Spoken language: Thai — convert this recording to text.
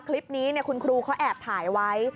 คลิปนี้คุณครูเขาแอบถ่ายไว้